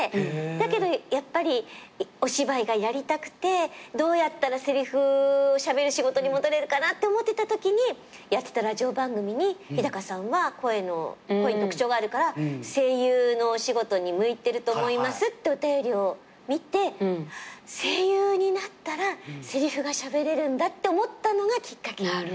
だけどやっぱりお芝居がやりたくてどうやったらせりふをしゃべる仕事に戻れるかなって思ってたときにやってたラジオ番組に日さんは声に特徴があるから声優のお仕事に向いてると思いますってお便りを見て声優になったらせりふがしゃべれるんだって思ったのがきっかけ。